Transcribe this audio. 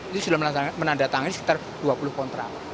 itu sudah menandatangani sekitar dua puluh kontrak